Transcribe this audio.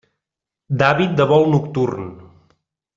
D'hàbit de vol nocturn.